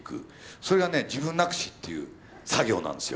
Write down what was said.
それがね自分なくしっていう作業なんですよ。